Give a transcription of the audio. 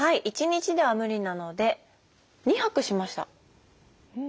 １日では無理なので２泊しました。